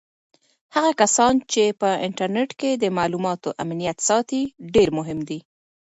هغه کسان چې په انټرنیټ کې د معلوماتو امنیت ساتي ډېر مهم دي.